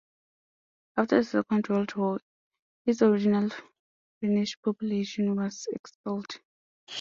After the Second World War, its original Finnish population was expelled.